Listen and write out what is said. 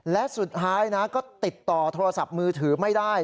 และสุดท้ายนะก็ติดต่อโทรศัพท์มือถือไม่ได้